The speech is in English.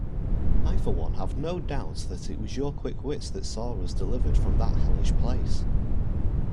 I for one have no doubt that it was your quick wits that saw us delivered from that hellish place.